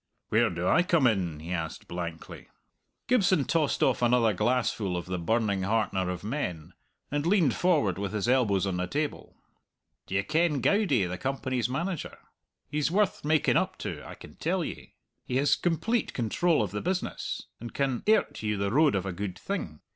"Where do I come in?" he asked blankly. Gibson tossed off another glassful of the burning heartener of men, and leaned forward with his elbows on the table. "D'ye ken Goudie, the Company's manager? He's worth making up to, I can tell ye. He has complete control of the business, and can airt you the road of a good thing.